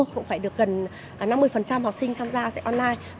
cũng phải được gần năm mươi học sinh tham gia dạy online